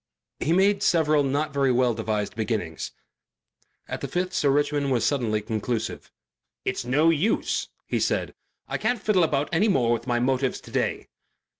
He made several not very well devised beginnings. At the fifth Sir Richmond was suddenly conclusive. "It's no use," he said, "I can't fiddle about any more with my motives to day."